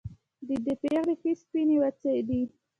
د دې پېغلې ښې سپينې واڅې دي